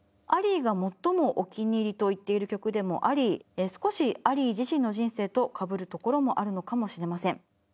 アリーが最もお気に入りと言っている曲でもあり少しアリー自身の人生とかぶるところもあるのかもしれません。